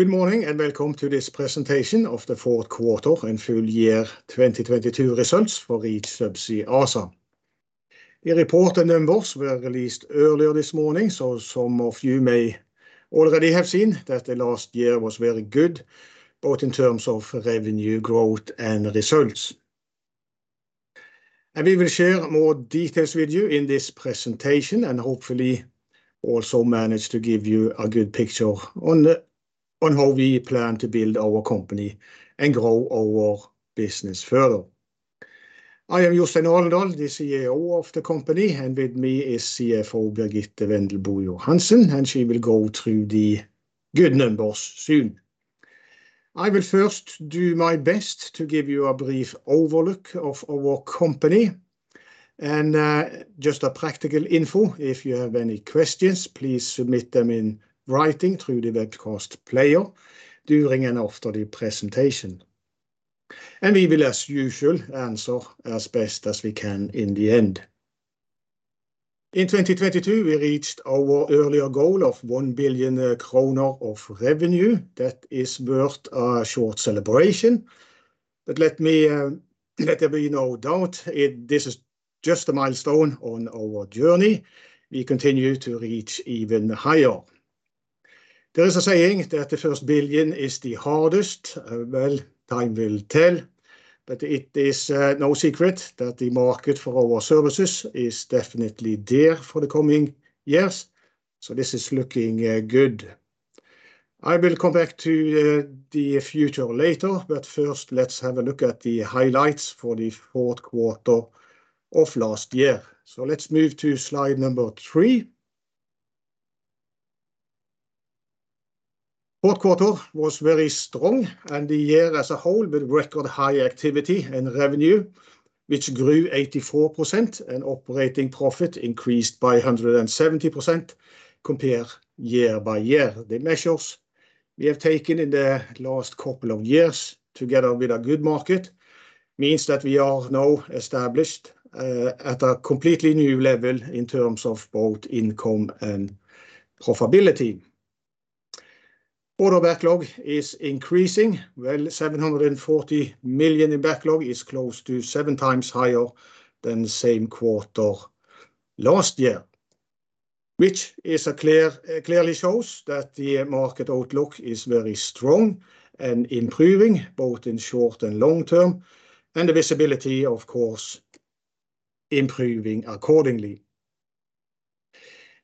Good morning, welcome to this presentation of the fourth quarter and full year 2022 results for Reach Subsea ASA. The report and numbers were released earlier this morning, so some of you may already have seen that the last year was very good both in terms of revenue growth and results. We will share more details with you in this presentation, and hopefully also manage to give you a good picture on how we plan to build our company and grow our business further. I am Jostein Alendal, the CEO of the company, and with me is CFO Birgitte Wendelbo Johansen, and she will go through the good numbers soon. I will first do my best to give you a brief overlook of our company. Just a practical info, if you have any questions, please submit them in writing through the webcast player during and after the presentation. We will, as usual, answer as best as we can in the end. In 2022 we reached our earlier goal of 1 billion kroner of revenue. That is worth a short celebration. Let me let there be no doubt this is just a milestone on our journey. We continue to reach even higher. There is a saying that the first billion is the hardest. Well, time will tell, but it is no secret that the market for our services is definitely there for the coming years, so this is looking good. I will come back to the future later, but first, let's have a look at the highlights for the fourth quarter of last year. Let's move to slide number three. Fourth quarter was very strong, and the year as a whole with record high activity and revenue, which grew 84% and operating profit increased by 170% compared year-over-year. The measures we have taken in the last couple of years together with a good market means that we are now established at a completely new level in terms of both income and profitability. Order backlog is increasing. Well, 740 million in backlog is close to seven times higher than the same quarter last year, which clearly shows that the market outlook is very strong and improving, both in short and long term, and the visibility, of course, improving accordingly.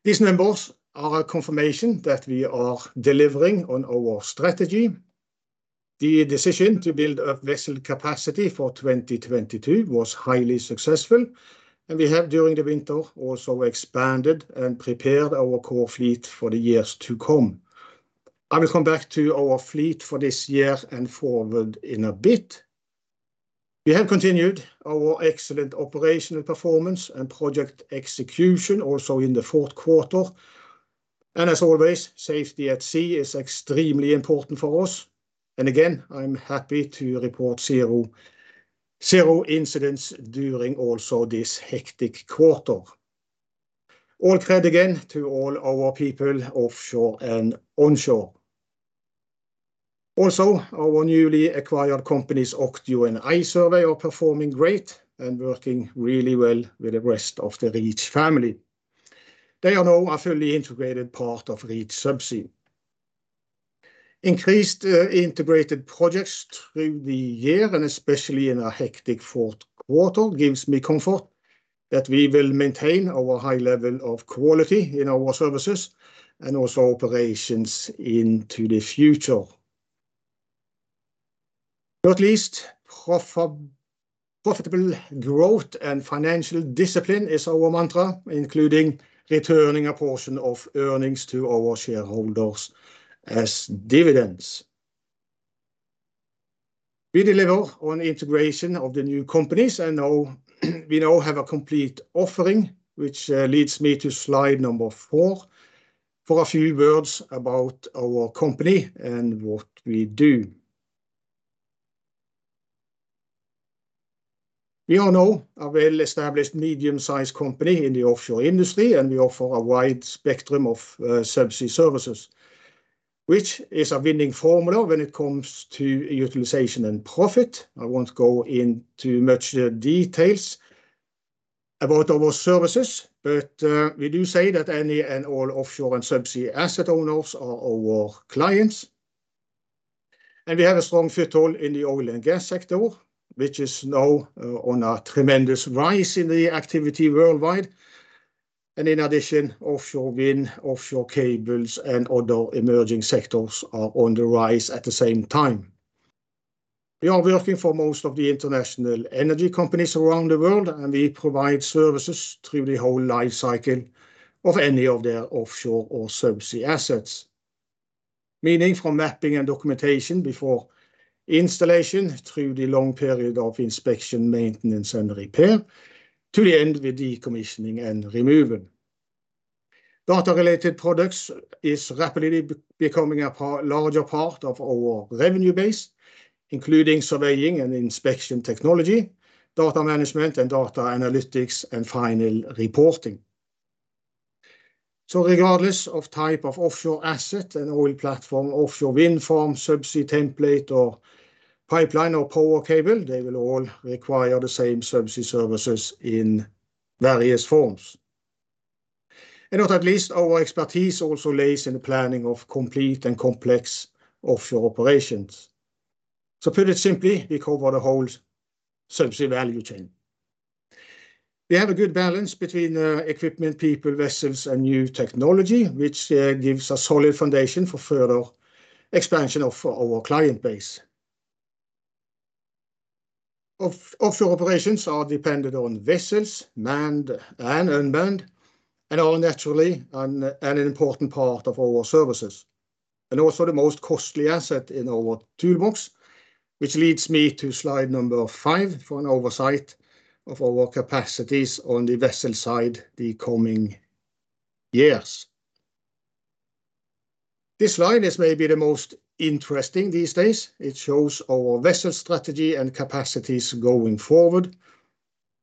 These numbers are a confirmation that we are delivering on our strategy. The decision to build a vessel capacity for 2022 was highly successful. We have during the winter also expanded and prepared our core fleet for the years to come. I will come back to our fleet for this year and forward in a bit. We have continued our excellent operational performance and project execution also in the fourth quarter. As always, safety at sea is extremely important for us. Again, I'm happy to report zero incidents during also this hectic quarter. All credit again to all our people offshore and onshore. Also, our newly acquired companies, Octio and iSURVEY, are performing great and working really well with the rest of the Reach family. They are now a fully integrated part of Reach Subsea. Increased integrated projects through the year, especially in a hectic fourth quarter, gives me comfort that we will maintain our high level of quality in our services also operations into the future. Not least, profitable growth and financial discipline is our mantra, including returning a portion of earnings to our shareholders as dividends. We deliver on integration of the new companies, we now have a complete offering, which leads me to slide number four for a few words about our company and what we do. We are now a well-established medium-sized company in the offshore industry, we offer a wide spectrum of subsea services, which is a winning formula when it comes to utilization and profit. I won't go into much details about our services, but we do say that any and all offshore and subsea asset owners are our clients. We have a strong foothold in the oil and gas sector, which is now on a tremendous rise in the activity worldwide. In addition, offshore wind, offshore cables and other emerging sectors are on the rise at the same time. We are working for most of the international energy companies around the world, and we provide services through the whole life cycle of any of their offshore or subsea assets, meaning from mapping and documentation before installation through the long period of inspection, maintenance and repair, to the end with decommissioning and removal. Data-related products is rapidly becoming a larger part of our revenue base, including surveying and inspection technology, data management and data analytics, and final reporting. Regardless of type of offshore asset and oil platform, offshore wind farm, subsea template or pipeline or power cable, they will all require the same subsea services in various forms. Not at least our expertise also lays in the planning of complete and complex offshore operations. Put it simply, we cover the whole subsea value chain. We have a good balance between equipment, people, vessels, and new technology, which gives a solid foundation for further expansion of our client base. Offshore operations are dependent on vessels, manned and unmanned, and are naturally an important part of our services, and also the most costly asset in our toolbox, which leads me to slide number 5 for an oversight of our capacities on the vessel side the coming years. This slide is maybe the most interesting these days. It shows our vessel strategy and capacities going forward.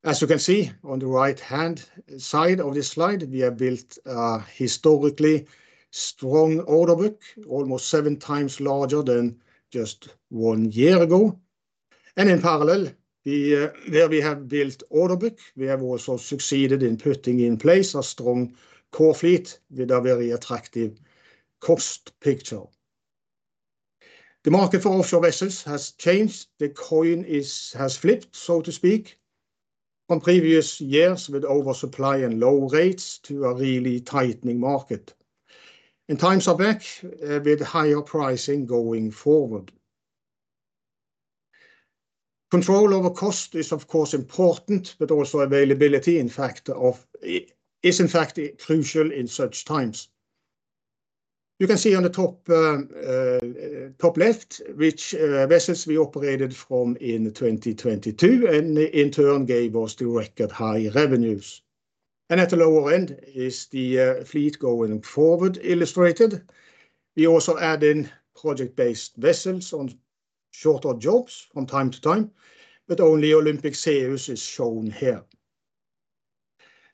As you can see on the right-hand side of this slide, we have built a historically strong order book, almost seven times larger than just one year ago. In parallel, we, where we have built order book, we have also succeeded in putting in place a strong core fleet with a very attractive cost picture. The market for offshore vessels has changed. The coin has flipped, so to speak, from previous years with oversupply and low rates to a really tightening market and times are back with higher pricing going forward. Control over cost is of course important, but also availability is in fact crucial in such times. You can see on the top left which vessels we operated from in 2022 and in turn gave us the record high revenues. At the lower end is the fleet going forward illustrated. We also add in project-based vessels on shorter jobs from time to time, but only Olympic Zeus is shown here.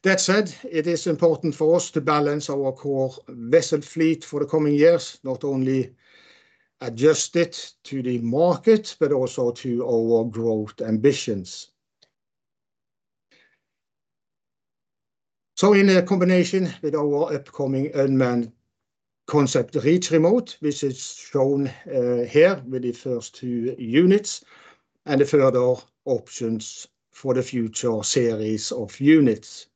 That said, it is important for us to balance our core vessel fleet for the coming years, not only adjust it to the market, but also to our growth ambitions. In a combination with our upcoming unmanned concept, Reach Remote, which is shown here with the first two units and further options for the future series of units.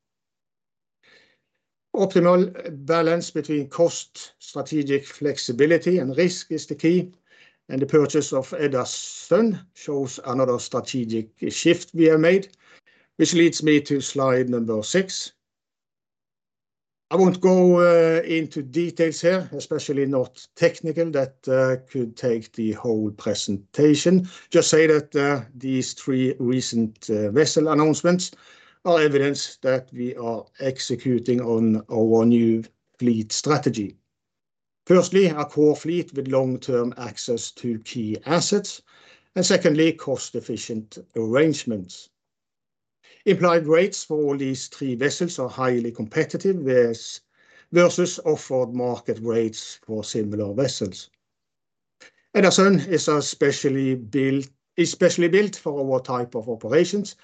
Optimal balance between cost, strategic flexibility and risk is the key, and the purchase of Edda Sun shows another strategic shift we have made, which leads me to slide number six. I won't go into details here, especially not technical that could take the whole presentation. Just say that these three recent vessel announcements are evidence that we are executing on our new fleet strategy. Firstly, our core fleet with long-term access to key assets, and secondly, cost-efficient arrangements. Implied rates for these three vessels are highly competitive versus offered market rates for similar vessels. Edda Sun is specially built for our type of operations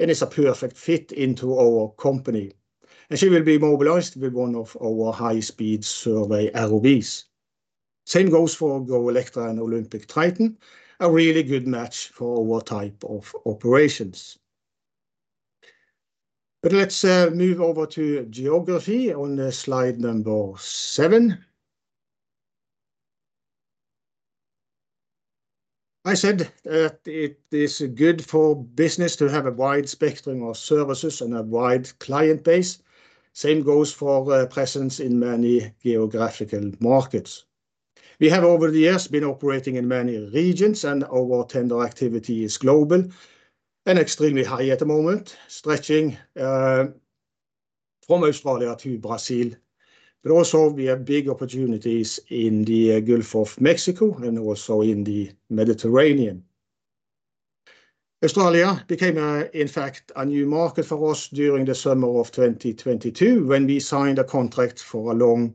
and is a perfect fit into our company, and she will be mobilized with one of our high-speed survey ROVs. Same goes for Go Electra and Olympic Triton, a really good match for our type of operations. Let's move over to geography on slide number seven. I said that it is good for business to have a wide spectrum of services and a wide client base. Same goes for presence in many geographical markets. We have over the years been operating in many regions, and our tender activity is global and extremely high at the moment, stretching from Australia to Brazil. Also we have big opportunities in the Gulf of Mexico and also in the Mediterranean. Australia became a, in fact, a new market for us during the summer of 2022 when we signed a contract for a long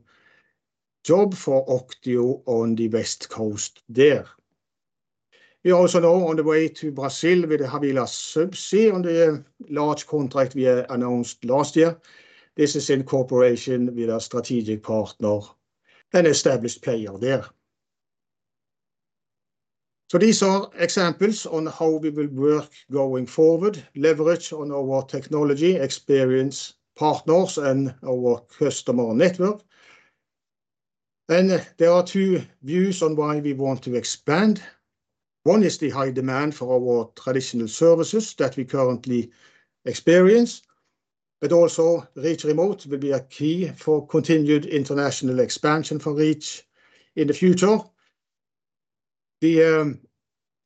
job for Octio on the west coast there. We are also now on the way to Brazil with the Havila Subsea on the large contract we announced last year. This is in cooperation with a strategic partner and established player there. These are examples on how we will work going forward, leverage on our technology, experience partners and our customer network. There are two views on why we want to expand. One is the high demand for our traditional services that we currently experience, but also Reach Remote will be a key for continued international expansion for Reach in the future. The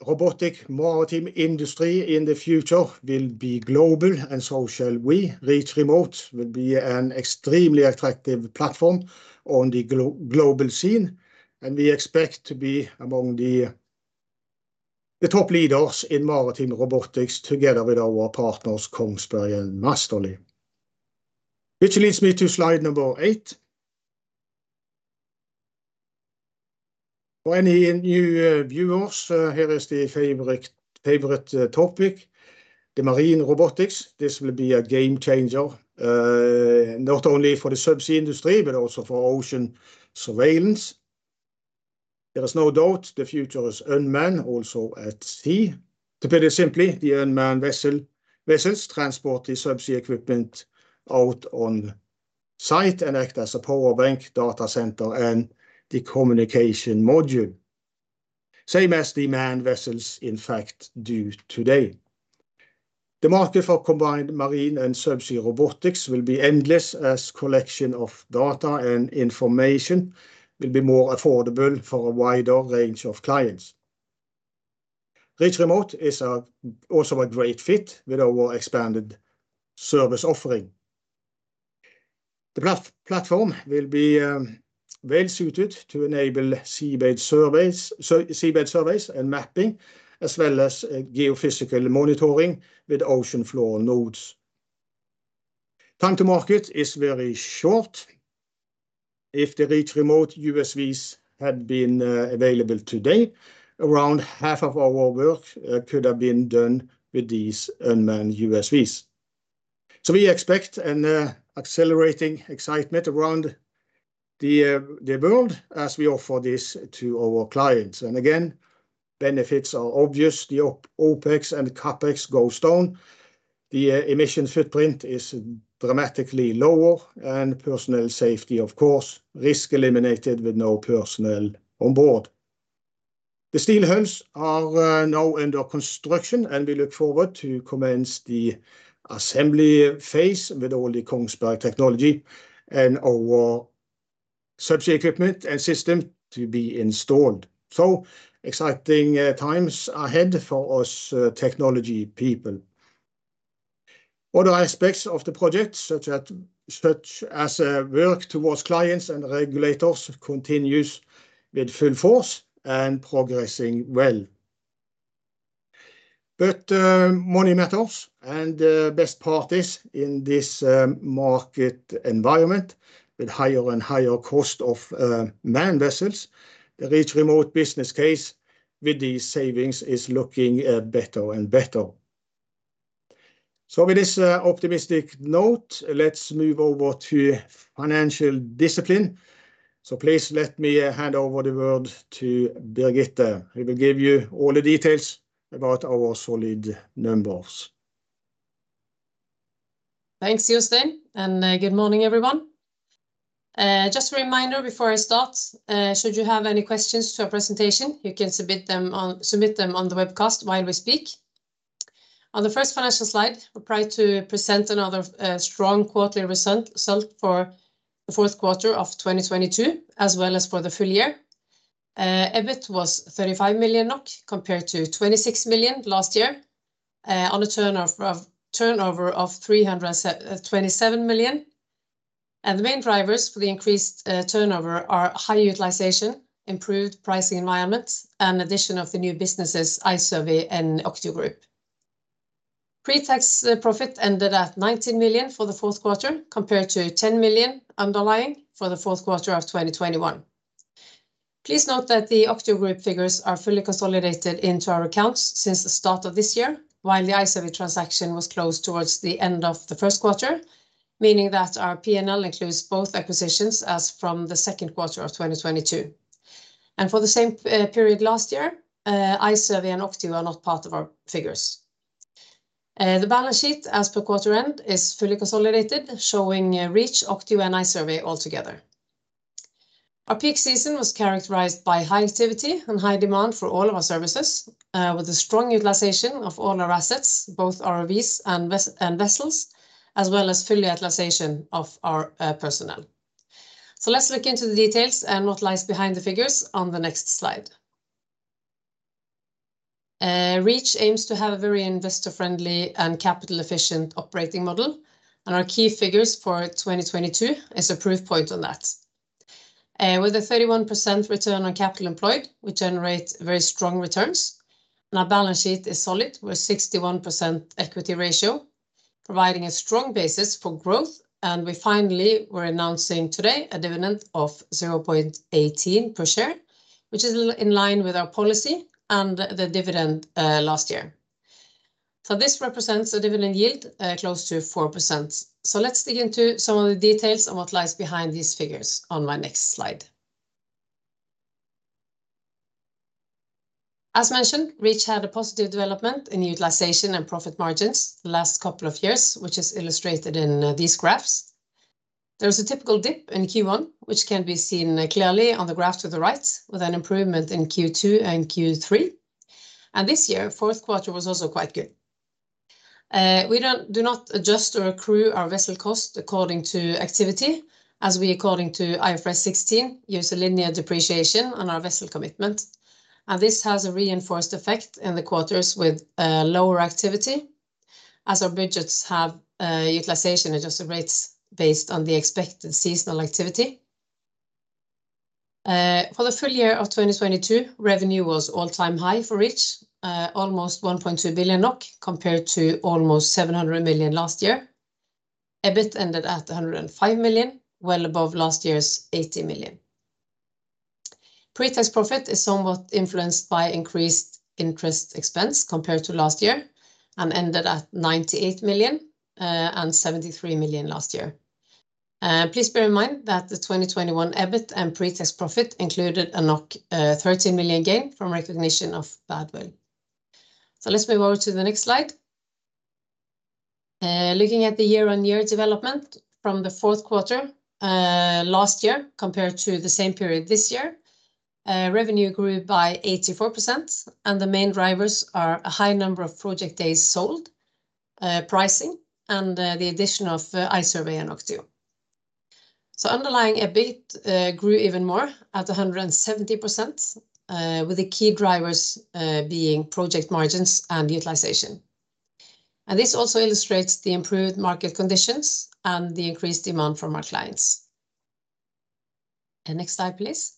robotic maritime industry in the future will be global, and so shall we. Reach Remote will be an extremely attractive platform on the global scene, and we expect to be among the top leaders in maritime robotics, together with our partners Kongsberg and Massterly. Which leads me to slide number eight. For any new viewers, here is the favorite topic, the marine robotics. This will be a game changer, not only for the subsea industry, but also for ocean surveillance. There is no doubt the future is unmanned also at sea. To put it simply, the unmanned vessels transport the subsea equipment out on site and act as a power bank data center and the communication module. Same as the manned vessels in fact do today. The market for combined marine and subsea robotics will be endless as collection of data and information will be more affordable for a wider range of clients. Reach Remote is also a great fit with our expanded service offering. The platform will be well-suited to enable seabed surveys and mapping, as well as geophysical monitoring with ocean bottom nodes. Time to market is very short. If the Reach Remote USVs had been available today, around half of our work could have been done with these unmanned USVs. We expect an accelerating excitement around the world as we offer this to our clients. Again, benefits are obvious. The OPEX and CapEx goes down. The emission footprint is dramatically lower, and personnel safety, of course, risk eliminated with no personnel on board. The steel hulls are now under construction, and we look forward to commence the assembly phase with all the Kongsberg technology and our subsea equipment and system to be installed. Exciting times ahead for us technology people. Other aspects of the project, such as work towards clients and regulators continues with full force and progressing well. Money matters and best part is in this market environment with higher and higher cost of manned vessels, the Reach Remote business case with these savings is looking better and better. With this optimistic note, let's move over to financial discipline. Please let me hand over the word to Birgitte, who will give you all the details about our solid numbers. Thanks, Jostein, good morning, everyone. Just a reminder before I start, should you have any questions to our presentation, you can submit them on the webcast while we speak. On the first financial slide, we're proud to present another strong quarterly result for the fourth quarter of 2022 as well as for the full year. EBIT was 35 million NOK compared to 26 million last year, on a turnover of 327 million. The main drivers for the increased turnover are high utilization, improved pricing environment, and addition of the new businesses, iSURVEY and Octio Group. Pre-tax profit ended at 19 million for the fourth quarter, compared to 10 million underlying for the fourth quarter of 2021. Please note that the Octio Group figures are fully consolidated into our accounts since the start of this year, while the iSURVEY transaction was closed towards the end of the first quarter, meaning that our P&L includes both acquisitions as from the second quarter of 2022. For the same period last year, iSURVEY and Octio were not part of our figures. The balance sheet as per quarter end is fully consolidated, showing Reach, Octio, and iSURVEY all together. Our peak season was characterized by high activity and high demand for all of our services, with a strong utilization of all our assets, both ROVs and vessels, as well as full utilization of our personnel. Let's look into the details and what lies behind the figures on the next slide. Reach aims to have a very investor-friendly and capital-efficient operating model, our key figures for 2022 is a proof point on that. With a 31% return on capital employed, we generate very strong returns, our balance sheet is solid with 61% equity ratio, providing a strong basis for growth. We finally were announcing today a dividend of 0.18 per share, which is in line with our policy and the dividend last year. This represents a dividend yield close to 4%. Let's dig into some of the details on what lies behind these figures on my next slide. As mentioned, Reach had a positive development in utilization and profit margins the last couple of years, which is illustrated in these graphs. There was a typical dip in Q1, which can be seen clearly on the graph to the right, with an improvement in Q2 and Q3. And this year, fourth quarter was also quite good. We do not adjust or accrue our vessel cost according to activity, as we according to IFRS 16 use a linear depreciation on our vessel commitment, and this has a reinforced effect in the quarters with lower activity as our budgets have utilization adjusted rates based on the expected seasonal activity. For the full year of 2022, revenue was all-time high for Reach, almost 1.2 billion NOK compared to almost 700 million last year. EBIT ended at 105 million, well above last year's 80 million. Pre-tax profit is somewhat influenced by increased interest expense compared to last year and ended at 98 million and 73 million last year. Please bear in mind that the 2021 EBIT and pre-tax profit included a 13 million gain from recognition of Badwill. Let's move over to the next slide. Looking at the year-on-year development from the fourth quarter last year compared to the same period this year, revenue grew by 84%, and the main drivers are a high number of project days sold, pricing and the addition of iSURVEY and Octio. Underlying EBIT grew even more at 170%, with the key drivers being project margins and utilization. This also illustrates the improved market conditions and the increased demand from our clients. Next slide, please.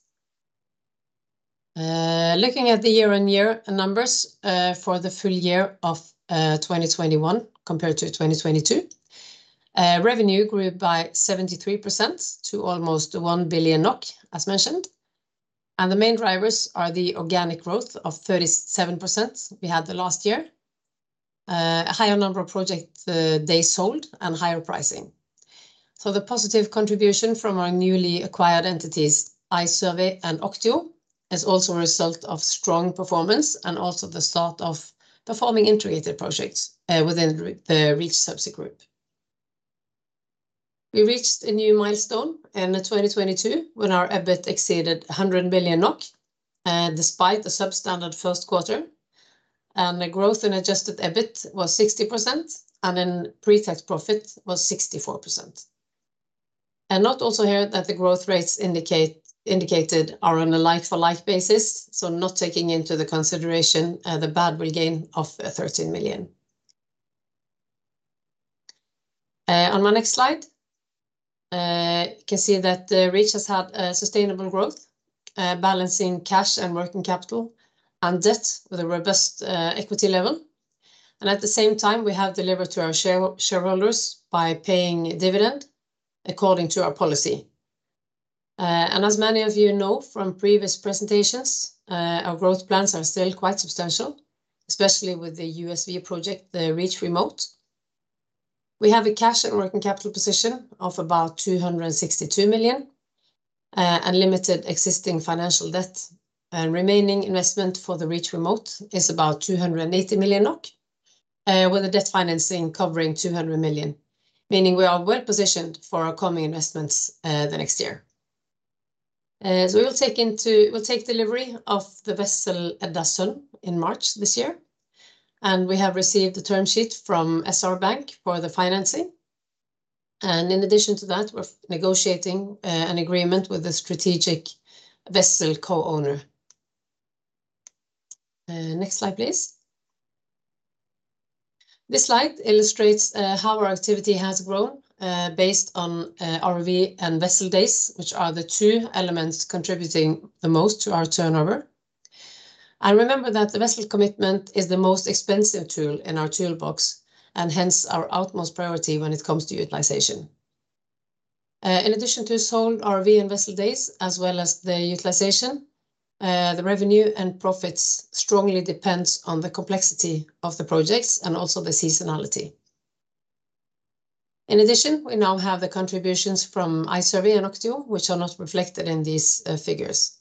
Looking at the year-on-year numbers, for the full year of 2021 compared to 2022, revenue grew by 73% to almost 1 billion NOK, as mentioned. The main drivers are the organic growth of 37% we had the last year, a higher number of project days sold and higher pricing. The positive contribution from our newly acquired entities, iSURVEY and Octio, is also a result of strong performance and also the start of performing integrated projects within the Reach Subsea group. We reached a new milestone in 2022 when our EBIT exceeded 100 million NOK, despite the substandard first quarter. The growth in adjusted EBIT was 60% and in pre-tax profit was 64%. Note also here that the growth rates indicated are on a like for like basis, so not taking into the consideration the Badwill gain of 13 million. On my next slide, you can see that Reach has had sustainable growth, balancing cash and working capital and debt with a robust equity level. At the same time, we have delivered to our shareholders by paying dividend according to our policy. As many of you know from previous presentations, our growth plans are still quite substantial, especially with the USV project, the Reach Remote. We have a cash and working capital position of about 262 million and limited existing financial debt. Remaining investment for the Reach Remote is about 280 million NOK, with the debt financing covering 200 million, meaning we are well positioned for our coming investments the next year. We'll take delivery of the vessel, Edda Sun, in March this year, and we have received a term sheet from SR Bank for the financing. In addition to that, we're negotiating an agreement with the strategic vessel co-owner. Next slide, please. This slide illustrates how our activity has grown based on ROV and vessel days, which are the two elements contributing the most to our turnover. Remember that the vessel commitment is the most expensive tool in our toolbox, and hence our utmost priority when it comes to utilization. In addition to sold ROV and vessel days, as well as the utilization, the revenue and profits strongly depends on the complexity of the projects and also the seasonality. We now have the contributions from iSURVEY and Octio, which are not reflected in these figures.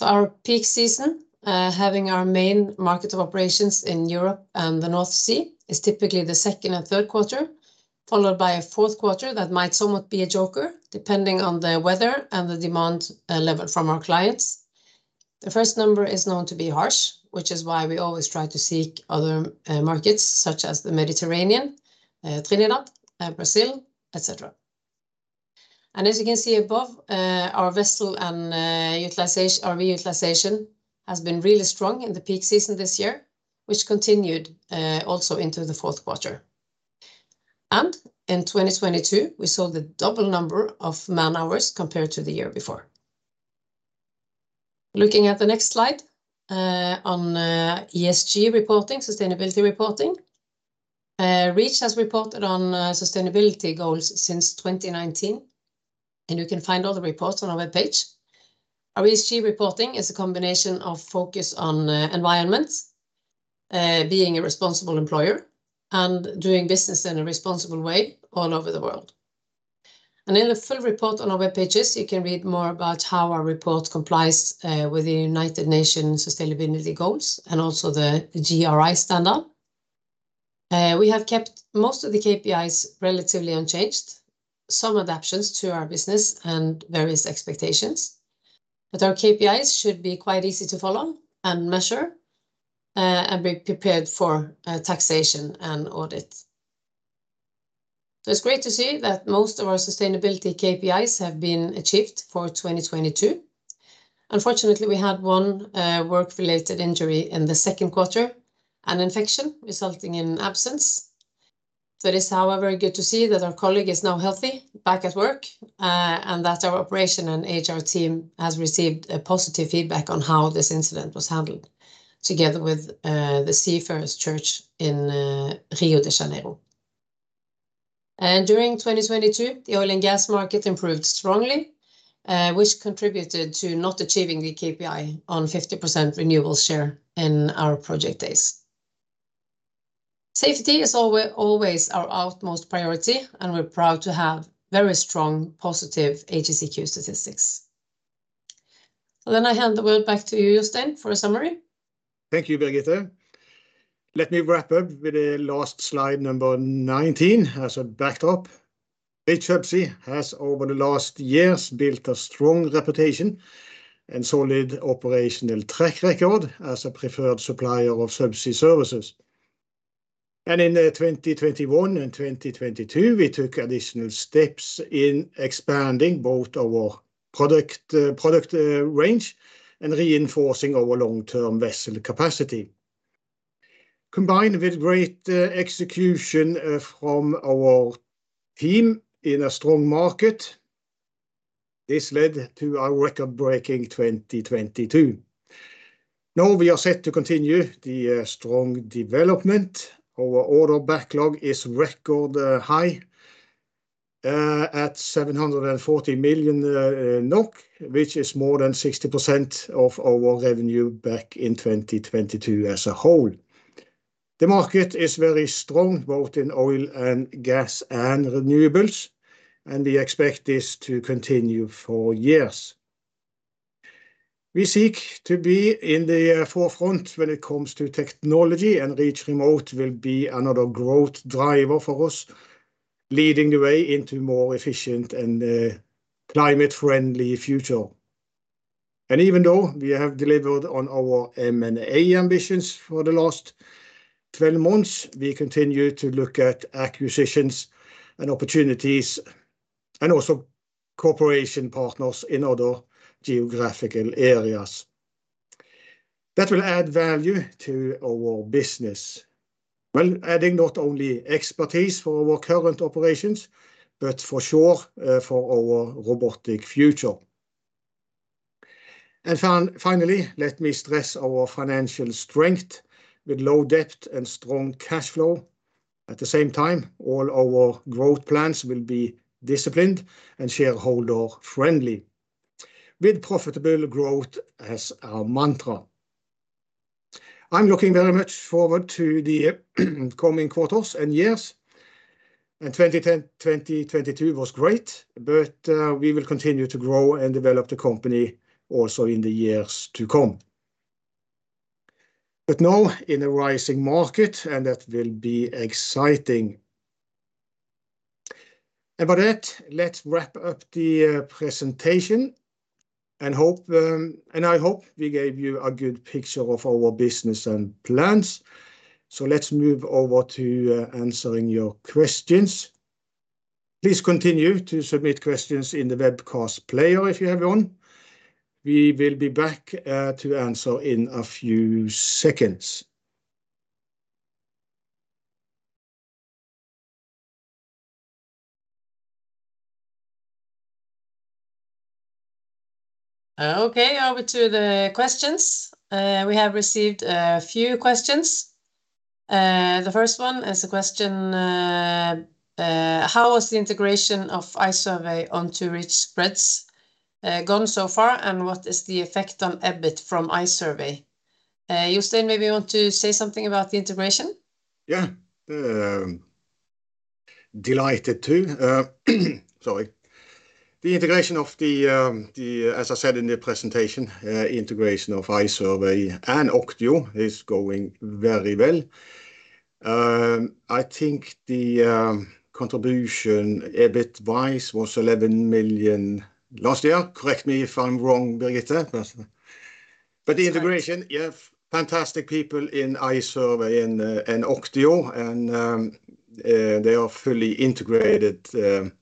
Our peak season, having our main market of operations in Europe and the North Sea, is typically the second and third quarter, followed by a fourth quarter that might somewhat be a joker, depending on the weather and the demand level from our clients. The first quarter is known to be harsh, which is why we always try to seek other markets, such as the Mediterranean, Trinidad, Brazil, et cetera. As you can see above, our vessel and ROV utilization has been really strong in the peak season this year, which continued also into the fourth quarter. In 2022, we sold a double number of man-hours compared to the year before. Looking at the next slide, on ESG reporting, sustainability reporting, Reach has reported on sustainability goals since 2019, and you can find all the reports on our webpage. Our ESG reporting is a combination of focus on environment, being a responsible employer, and doing business in a responsible way all over the world. In the full report on our webpages, you can read more about how our report complies with the United Nations Sustainable Development Goals and also the GRI standard. We have kept most of the KPIs relatively unchanged, some adaptations to our business and various expectations. Our KPIs should be quite easy to follow and measure, and be prepared for taxation and audit. It's great to see that most of our sustainability KPIs have been achieved for 2022. Unfortunately, we had one work-related injury in the second quarter, an infection resulting in absence. It is, however, good to see that our colleague is now healthy, back at work, and that our operation and HR team has received a positive feedback on how this incident was handled together with the Seafarers Church in Rio de Janeiro. During 2022, the oil and gas market improved strongly, which contributed to not achieving the KPI on 50% renewable share in our project days. Safety is always our utmost priority, and we're proud to have very strong, positive HSEQ statistics. I hand the wheel back to you, Jostein, for a summary. Thank you, Birgitte. Let me wrap up with the last slide number 19 as a backdrop. Reach Subsea has, over the last years, built a strong reputation and solid operational track record as a preferred supplier of subsea services. In the 2021 and 2022, we took additional steps in expanding both our product range and reinforcing our long-term vessel capacity. Combined with great execution from our team in a strong market, this led to a record-breaking 2022. Now we are set to continue the strong development. Our order backlog is record high at 740 million NOK, which is more than 60% of our revenue back in 2022 as a whole. The market is very strong, both in oil and gas and renewables, and we expect this to continue for years. We seek to be in the forefront when it comes to technology and Reach Remote will be another growth driver for us, leading the way into more efficient and climate-friendly future. Even though we have delivered on our M&A ambitions for the last 12 months, we continue to look at acquisitions and opportunities and also cooperation partners in other geographical areas that will add value to our business, while adding not only expertise for our current operations, but for sure, for our robotic future. Finally, let me stress our financial strength with low debt and strong cash flow. At the same time, all our growth plans will be disciplined and shareholder-friendly, with profitable growth as our mantra. I'm looking very much forward to the coming quarters and years. 2010... 2022 was great, we will continue to grow and develop the company also in the years to come. Now in a rising market, that will be exciting. With that, let's wrap up the presentation. I hope we gave you a good picture of our business and plans. Let's move over to answering your questions. Please continue to submit questions in the webcast player if you have one. We will be back to answer in a few seconds. Okay, over to the questions. We have received a few questions. The first one is a question, "How is the integration of iSURVEY on to Reach spreads, gone so far, and what is the effect on EBIT from iSURVEY?" Jostein, maybe you want to say something about the integration. Yeah, delighted to. Sorry. The integration of the, as I said in the presentation, integration of iSURVEY and Octio is going very well. I think the contribution, EBIT base, was 11 million last year. Correct me if I'm wrong, Birgitte. The integration, yeah, fantastic people in iSURVEY and Octio, and they are fully integrated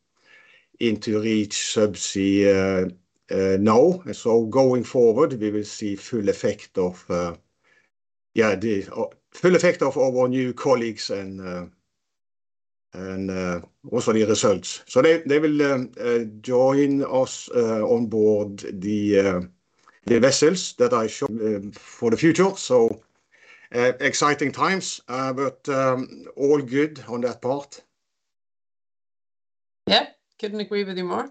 into Reach Subsea now. Going forward, we will see full effect of, yeah, the full effect of our new colleagues and also the results. They will join us on board the vessels that I showed for the future, so exciting times, but all good on that part. Yeah. Couldn't agree with you more.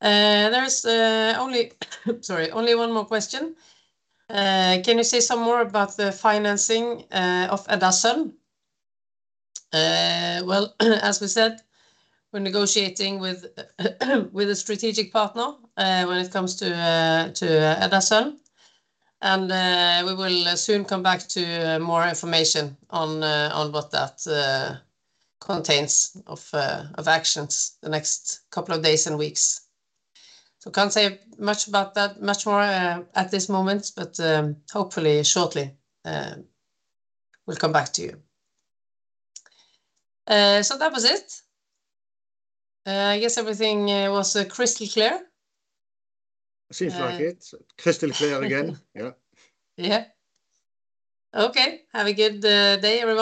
There is only one more question. "Can you say some more about the financing of Edda Sun?" Well, as we said, we're negotiating with a strategic partner when it comes to Edda Sun, and we will soon come back to more information on what that contains of actions the next couple of days and weeks. Can't say much about that much more at this moment, but hopefully shortly, we'll come back to you. That was it. I guess everything was crystal clear. Seems like it. Crystal clear again. Yeah. Yeah. Okay. Have a good day, everyone.